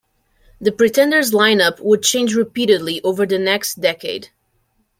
The Pretenders lineup would change repeatedly over the next decade.